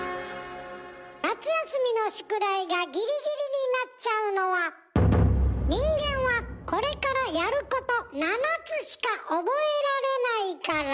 夏休みの宿題がギリギリになっちゃうのは人間はこれからやること７つしか覚えられないから。